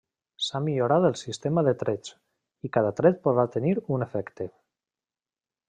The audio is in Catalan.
S'ha millorat el sistema de trets, i cada tret podrà tenir un efecte.